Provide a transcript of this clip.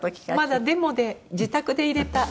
まだデモで自宅で入れた。